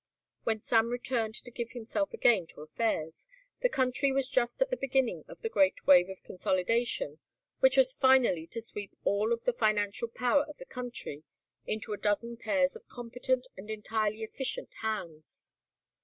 When Sam returned to give himself again to affairs, the country was just at the beginning of the great wave of consolidation which was finally to sweep all of the financial power of the country into a dozen pairs of competent and entirely efficient hands.